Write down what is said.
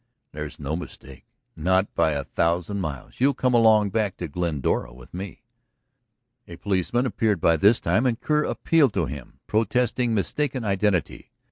"There's no mistake, not by a thousand miles. You'll come along back to Glendora with me." A policeman appeared by this time, and Kerr appealed to him, protesting mistaken identity.